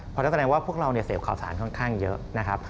เพราะนั่นแสดงว่าพวกเราเนี่ยเสพข่าวสารค่อนข้างเยอะนะครับ